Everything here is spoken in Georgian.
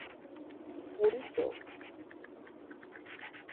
შემორჩენილია რამდენიმე ჩანახატი.